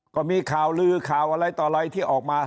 ก็มีข่าวลือข่าวอะไรต่ออะไรที่ออกมา